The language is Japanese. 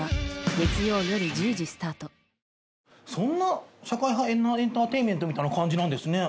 そんな社会派エンターテインメントみたいな感じなんですね。